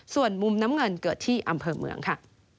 ส่วนมุมน้ำเงินเกิดที่อำเภอเมืองค่ะ